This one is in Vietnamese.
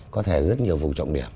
có thể rất nhiều vụ trọng điểm